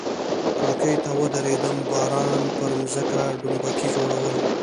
کړکۍ ته ودریدم، باران پر مځکه ډومبکي جوړول.